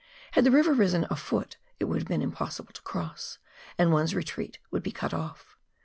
Had the river risen a foot it would have been impossible to cross, and one's retreat would be cut off.